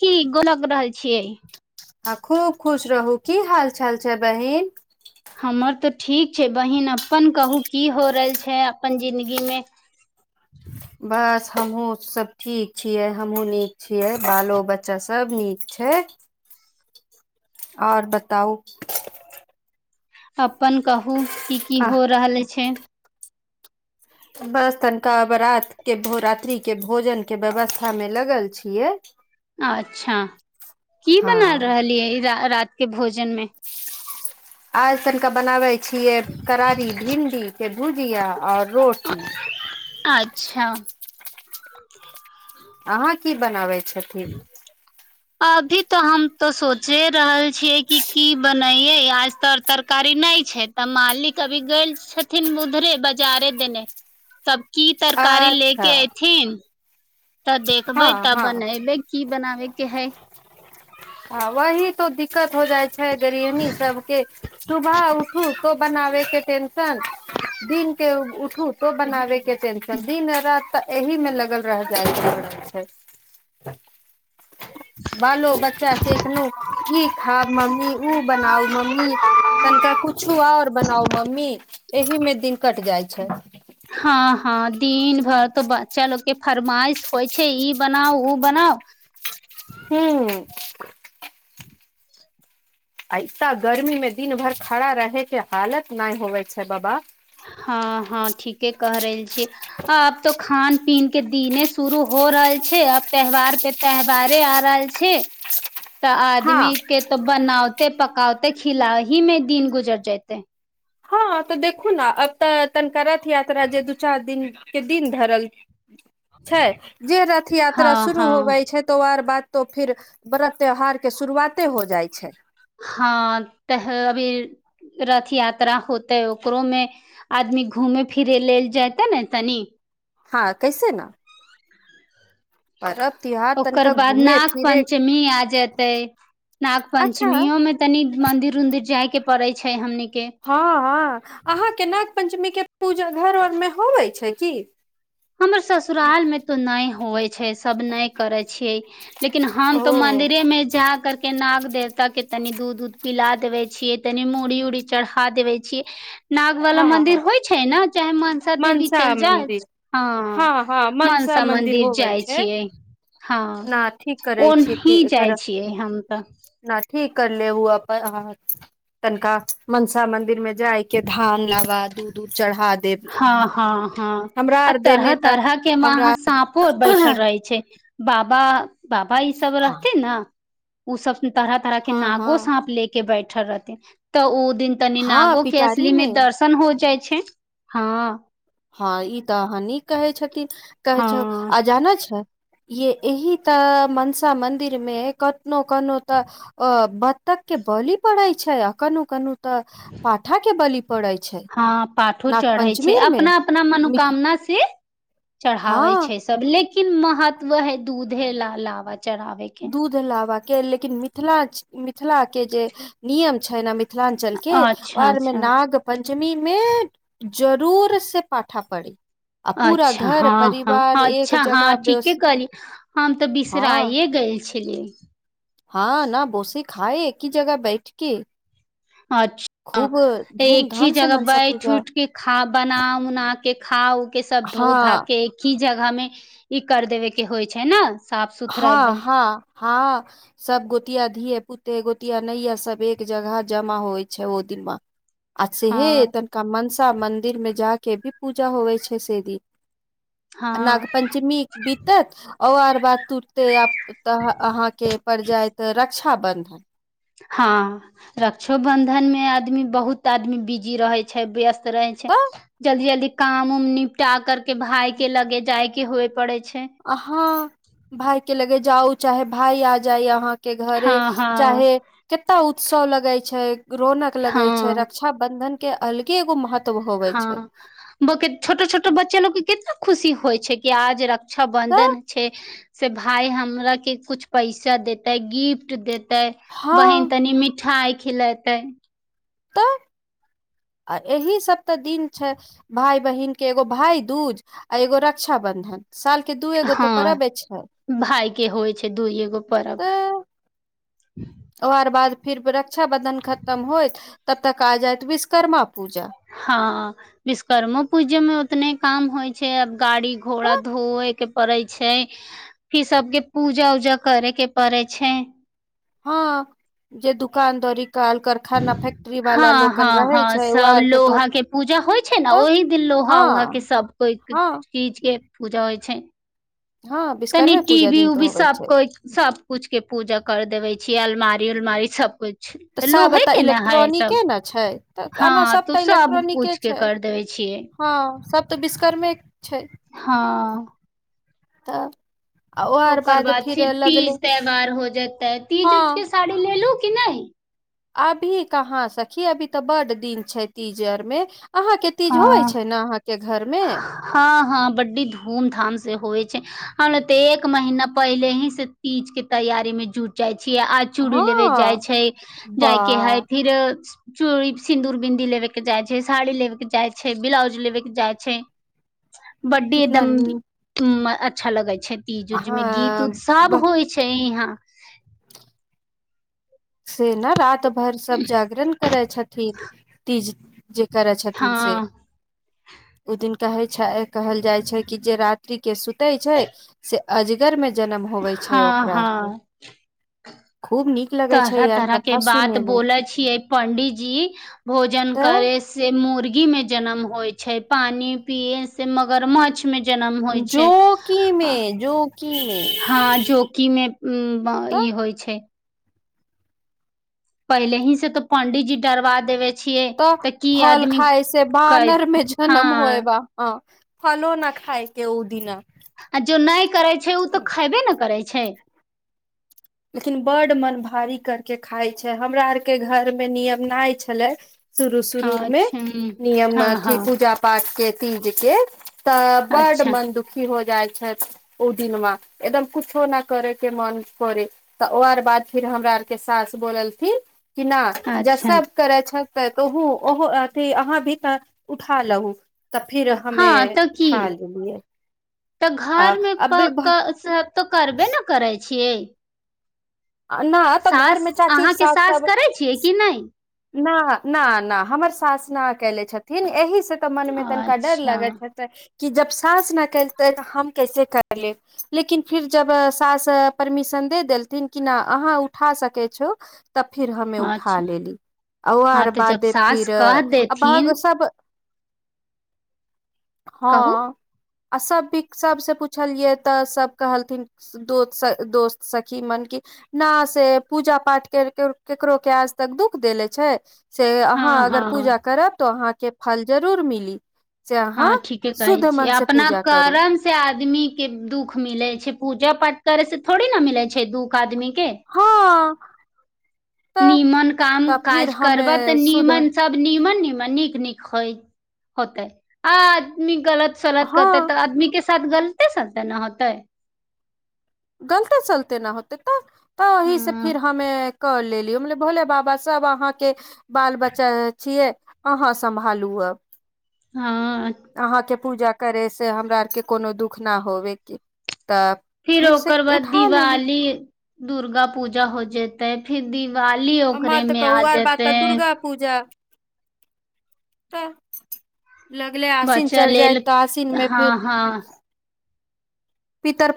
की गोर लग रहल छियै। आ खूब खुश रहू की हाल चाल छै बहिन। हमर तऽ ठीक छै बहिन अपन कहू की हो रहल छै अपन जिंन्दगी मे बस हमहूँ सब ठीक छियै हमहूँ नीक छियै बालो बच्चा सब नीक छै। आओर बताउ। अपन कहू की की आह हो रहल छै बस तनिका बराात के भोरात्रि के भोजनके व्यवस्थामे लगल छियै [inaudible] अच्छा की हँ बनाल रहलियै रा-रातके भोजनमे आज तनिका बनाबे छियै करारी भिंडीके भुजिया आओर रोटी अच्छा [inaudible] अहाँ की बनाबै छथि। [inaudible] अभी तऽ हम तऽ सोचे रहल छीयै कि की बनैये आजतऽ। तरकारी नहि छै तऽ मालिक अभी गेल छथिन उधरे बाजारे देने। तब की तरकारी ले के अच्छा ऐथिन तऽ देखबै हँ तब हँ बनेबै की बनाबेके हइ आ वही तो दिक्कत हो जाइ छै गृहणी सबके सुबह उठू तो बनाबे के टेन- टेनशन दिनके उठू तो बनाबे के टेनशन त दिन राति तऽ एहिमे लगल रह जाय छैय बालो बच्चा चैतनो ई खाउ मम्मी ओ बनाउ मम्मी तनिका कुछो आ आओर बनाउ मम्मी एहिमे दिन कट जाइ छै हाँ हाँ दिन भरि तऽ बच्चा लोकके फरमाइश होइ छै ई बनाउ ओ बनाउ हूँ आ इतना गर्मीमे दिन भर खड़ा रहे के हालत नहि होवे छै बाबा हाँ हाँ ठीके कहि रहल छी आब तो खान पीन के दिने शुरू हो रहल छै आब त्यौहार पे त्यौहारे आ रहल छै तऽ हँ आदमी के तो बनावते पकावते खिला ही मे दिन गुजर जेते हाँ तऽ देखू ने अब तऽ तनिका रथ यात्रा जे दू चार दिन के दिन धरल छैय जे रथ हँ यात्रा शुरू होबै हँ छैय तो आर बाद तो फिर व्रत त्यौहार के शुरुआते हो जाइ छै हाँ तऽ अभी रथ यात्रा होतै ओकरोमे आदमी घूमे फिरे लेल जयते नै तनी हँ कैसे न त्योहार ओकर तनिका बाद घूमे नाग फिरे पञ्चमी आ जेतै नाग अच्छा पञ्चमीयो मे तनि मन्दिर उदिर जाय के पड़ै छै हमनी के हँ हँ अहाँ के नाग पञ्चमीक के पूजा घर ओर मे होबै छै की हमर ससुराल मे त नय होइ छै सब नय करैय छियै लेकिन हम ओ तो मंदिरे में जा कर के नाग देवता के तनि दूध उध पिला देबे छियै तनि मुड़ी उडी चढ़ा देबे छियै नाग वाला हँ मंदिर हँ होइ छै ने चाहे मनसा देवी चल जायथ हँ हँ मनसा मन्दिर होबै जाइ छै छियै हँ ठीक करै छी ओनही थी जाइ करह छियै हम तऽ न ठीक कर ले ओ अपन तनिका मनसा मंदिर मे जाइके धान लाबा दूध उध चढ़ा देब हँ हँ हँ हमरा आ आर तरह देने तऽ तरह के महाँ हमरा सांप कोइ बैठल रहै छै बाबा बाबा ई सब हँ रहते ने उ सब तरह तरह के हँ नागो हँ सााँप ले के बैठल रहथि त ओ दिन तनि हँ नागो के पिटारी असली मे दर्शन हो जाइ छै हँ हँ ई त अहाँ नीक कहै छथिन कहै छौ हँ आ जाना छै ये एहि त मनसा मन्दिरमे कतनो कनो त अ बत्तख के बली पड़ै छै आ कनो कनो त पाठा के बलि पड़ै छै हँ पाठो नाग चढ़ै छै पंचमीर मे अपना अपना मिठ मनोकामना से चढ़ाबै हँ छै सब लेकिन महत्व है दूधे ला लावा चढ़ावे के दूध लाबा के लेकिन मिथिला मिथिलाके जे नियम छैय ने मि मिथिलांचल के अच्छा आओर मे अच्छा नाग पञ्चमी मे जरूर से पाठा पढ़ी अच्छा हँ हँ एक अच्छा हँ जगह ठीके बेस कहली हम त हँ बिसराइए गेल छैलि हँ न बोसी खाय एकी जगह बैठके अच्छ एक ही धूमधाम से जगह मनसा बैठ पूजा उठ के खा बना उना के खा उ के सब धो धा हँ के की जगह मे ई कर देबे के होय छै न हँ-हँ-हँ सब गोतिया धिये पुते गोतिया नैय ये सब एक जगह जमा होय छै ओदिमा आ सेहे हँ तनिका मनसा मन्दिरमे जा के भी पूजा होवै छै से दिन आ हँ नागपंचमी बितत आओर बात टूटते आब त अहाँ के पड़ जायत रक्षाबन्धन हँ रक्षोबन्धन मे आदमी बहुत आदमी बिजी रहै छै व्यस्त स्त रहय तऽ छैय जल्दी जल्दी काम उम निपटा कर के भाय के लगे जाय के होय पड़े छै आ हाँ भाय के लगे जाउ चाहे भाय आ जाय ये अहाँ के घरे हँ हँ चाहे केतना उत्सव लगय छै रौनक लगय छै हँ रक्ष बंधन के अलगे एगो महत्व होवे छै बाकी छोटो छोटो बच्चे लोग के केतना खुशी होय छै की आज रक्षा बंधन तऽ छैय से भाय हमरा के कुछ पैसा देतय गिफ्ट देत तै बहीन हँ तनी मिठाई खिलेतय तऽ आ एहि सब त दिन छै भाय बहिन के एगो भाय दूज आ एगो रक्षा बन्धन साल के दूए गो तो हँ परवे छै भाय के होइ छै दू एगो पर्व एं ओकर बाद फिर रक्षााबन्धन खत्म होइत तब तक आ जायत विश्वकर्मा पूजा हँ विश्वकर्मो पूजे मे ओतने काम होय छैय अब गाड़ी घोड़ा धोय के पड़ै छैय ई सबके पूजा उजा करय के पड़य छै हँ जे दुकानदारी काल कर हँ-हँ-हँ छै ओ सब आर तो लोहा के पूजा होय छै ने तऽ ओही दिन लोहा उहा के हँ सब कोइ हँ चीज के पूजा होय छै हँ तनी विश्वकर्मे टी पूजा वी दिन तऽ उवी होबै सब छै कोइ सब कुछ के पूजा करैत देबै छी अलमारी उलमारी सब कोइ तऽ सब लोहे एतऽ के न हय सब इलेक्ट्रॉनिके ने छै तऽ हँ एना तू तऽ सब इलेक्ट्रॉनिके कुछ के छै कर देबे छियै हँ सब त विशकर्मे छै हँ तब ओकर बाद फिर तीज त्योहार हो जेतै तीज उज हँ के साड़ी लेलू की नय अभी कहाँ सखी अभी त बड दिन छै तीज आर मे अहाँ के तीज होय हँ छै ने अहाँके घर मे हँ हँ बड्डी धूम धाम से होय छै हम ल ते एक महीना पहिले ही से तीज के तैयारी मे जुट जाय छी आज चूड़ी हँ लेबे जाय छैय जाइके हय वाह फिरो चूड़ी सिन्दूर बिन्दी लेबे के जाय छैय साड़ी लेवे के जाय छैय ब्लाउज लेवे के जाय छैय बर्थ डे कितना एकदम नीक म अच्छा लगे छै तीज उज में गीत उत हँ सब होय छै ते ई हाँ से न रात भर सभ जागरण करय छथि तीज जे करै छथिन से हँ उ दिन कहै छै कहल जाइ छै कि जे रात्रि के सुतै छै से अजगर में जनम होवे छै हँ ओकरा आर के हँ खूब नीक ल तरह तरह के बात बोले छिये पंडी जी भोजन तऽ करे से मोरगी मे जनम होय छै पानी पिये से मगरमच्छ मे जनम होय छै जोकी मे जोकी मे हाँ जोंकी मे ऊं वा तऽ ई होइ छै पहिले ही से त पंडिजी डरबा देवे छियै त तऽ की फल आदमी खाय से कै बानर मे हँ जनम होय बा हँ फलो न खाए के उ दिना आ जो नय करे छै ओ त खेबे ने करै छै लेकिन बड्ड मन भारी करके खाइ छै हमरा आरके घरमे नियम नय छलै शुरू शुरू मे अच्छा नियम हँ अथी हँ पूजा पाठ के तीज के त बड अच्छा मंदुक दुखी हो जाइ छै ओ दिन मे एकदम कुछो न करे के मन करे त ओ आर बाद फेर हमरा आरके सास बोललथिन कि न अच्छा जैसे करै छथि ओहो ओहो अथी अहाँ भी त उठा लहु त फिर हमे उठा लेलिये त घर मे त-स- से त करबे न करैय छियै नय एतय सास घरमे चाची अहाँके सास सब करै छियै कि नहि ना ना ना हमर सास ना केले छथिन एहि से त मन मे तनिका डर अच्छा लगैत है कि जब सास न केलते त हम कैसे कर लेब लेकिन फिर जब सास परमिशन दे देलथिन किना अहाँ उठा सकै छौ तब फिर हमे उठा अच्छा लेली हँ आओर तऽ जब बाद सास फिर कह देथिन सब कहू हँ आ सब भी सब से पुछलियै त सब कहलथिन दोस्त दोस्त सखी मन की न से पूजा पाठ कर के केकरो के आज तक दुःख देेले छै से हँ अहाँ अगर हँ पूजा करब त अहाँके फल जरूर मिली से अहाँ हँ ठीके कहै शुद्ध छी मन से अपना पूजा करू कारण से आदमी के दुःख मिले छै पूजा पाठ करे से थोड़ी न मिले छै दुःख आदमी के हँ तऽ नीमन काम तऽ फिर काज हमे करब त शुद्ध नीमन सब नीमन नीमन नीक नीक होतै आ आदमी गलत त शरद हँ करतै त आदमी के साथ गलते सलते न होतै गलते सलते न होतै त त ओहि सँ हँ फेर हमे क लेलिय भोले बाबा सब अहाँके बाल बच्चा छियै अहाँ सम्भालू अब हँ अहाँके पूजा करय से हमरा आर के कोनो दुःख नहि होबेके तब फिर ओकर बाद दिवाली दुर्गा पूजा हो जेतै फिर दिवाली आ माँ ओकरे तऽ में आ कहू आर बात जेते तऽ दुर्गा पूजा त लगले आसीन बच्चा चढ़ि लेल जाइ त आसीन मे हँ फिर हँ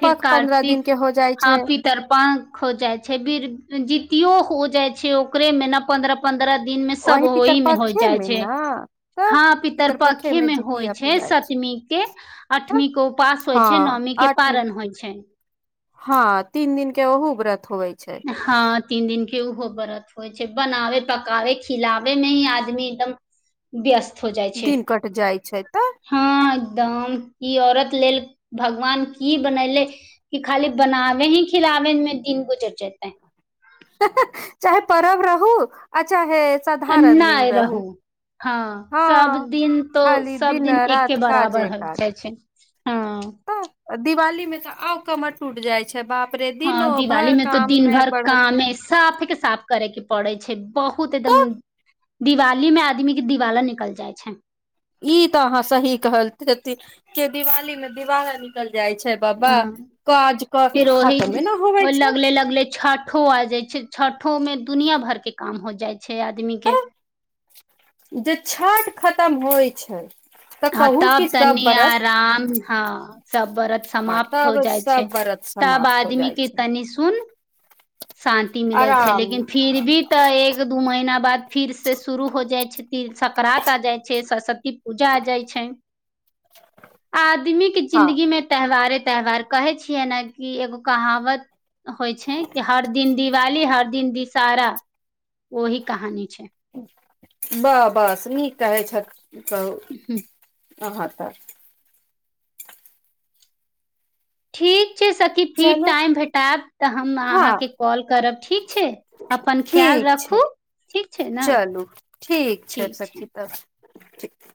फेर पन्द्रह कार्तिक दिन के हो जाइ हँ छै पी तरपण हो जाइ छै बीर जीतियो हो जाइ छै ओकरेमे न पन्द्र पन्द्रह दिन मे सब वही ओहि मे हो पितरपक्षे जाइ मे छै ने तऽ हँ पितर पितरपक्षे पखे मे होइ जितिया छै पूजा सब सप्तमी के तऽ आठवीं के उपवास होइ हँ छै नौमी के आठ पारन होइ छै हँ तीन दिन के ओहु व्रत होइ छै हँ तीन दिन के ओहो व्रत होइ छै बनावे पकाबे खिलाबे मे ही आदमी एकदम व्यस्त हो जाइ छै दिन कट जाइ छै तऽ हँ एकदम ई औरत लेल भगवान की बनेले की खाली बनावे ही खिलावे मे दिन गुजर जेते। चाहे परब रहू आ चाहे साधारण नै दिन रहू हँ सब हँ दिन तो खाली सब दिन रात एके काजे बराबर होइ काज जाइ छै हँ तऽ दिवाली मे त आउ कमर टूट जाय छै बाप रे दिनो हँ दिवाली भर में त काम दिन मे भर बढ़त कामे साफे के साफ करे के पड़े छै बहुत एकदम तऽ दिवाली मे आदमी के दिवाला निकल जाइ छै ई त अहाँ सही कहलखिन के दिवाली में दिवाला निकल जाय छै बाबा हँ काज क फेर ओहि खतमे न ओ होवे छै। लगले लगले छठ छठो आ जाइ छै छठो में दुनिया भर के काम हो जाइ छै आदमी के। जे छठ खतम होइ छै तऽ हाँ कहू कि तब सब तनि व्रत आराम हाँ सब व्रत हँ समाप्त हो तब जाइ छै। सब व्रत तब समाप्त हो जाइ आदमीके छै तनि सुन- शान्ति मिलै छै आराम लेकिन फिर भी तऽ एक दू महीना बाद फिरसँ शुरू हो जाइ छै त सकरा्त आ जाइ छै। सरस्वती उजा आ जाइ छै आदमी हँ जिंन्दगीमे त्यौहारे त्यौहार कहै छियै ने कि एगो कहावत होइ छै हर दिन दिवाली हर दिन दिशहरा ओही कहानी छै बाह बस नीक कहै छथि कहू हूँ अहाँ तऽ ठीक छै सखी फिर चलू टाइम भेटाएब तऽ हम हँ अहाँके कॉल करब ठीक छै। अपन ख्याल ठीक छै रखू। चलू ठीक छै सखी तऽ ठीक